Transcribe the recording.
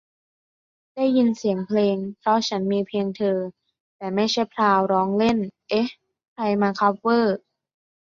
ได้ยินเสียงเพลง 'เพราะฉันมีเพียงเธอ' แต่ไม่ใช่ 'พราว' ร้องเล่น เอ๊ะ ใครเอามาคัฟเวอร์ ?